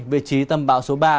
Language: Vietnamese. vị trí tâm bão số ba